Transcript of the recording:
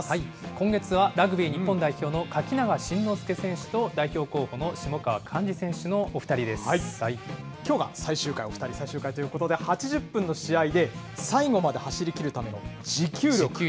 今月は、ラグビー日本代表の垣永真之介選手と代表候補の下川きょうが最終回、お２人最終回ということで、８０分の試合で最後まで走りきるための持久力。